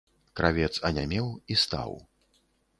Кравец анямеў і стаў.